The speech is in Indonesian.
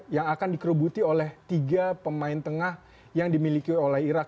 yang akan dikerubuti oleh tiga pemain tengah yang dimiliki oleh irak